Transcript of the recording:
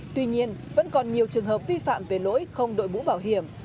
tuy nhiên vẫn còn nhiều trường hợp vi phạm về lỗi không đội mũ bảo hiểm